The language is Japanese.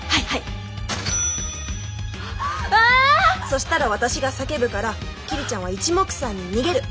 そしたら私が叫ぶから桐ちゃんはいちもくさんに逃げる！